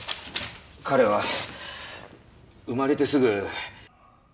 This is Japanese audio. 彼は生まれてすぐ。